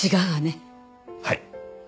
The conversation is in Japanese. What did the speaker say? はい。